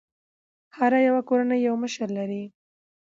هره يوه کورنۍ یو مشر لري.